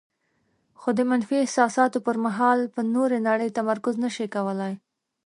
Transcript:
خو د منفي احساساتو پر مهال په نورې نړۍ تمرکز نشي کولای.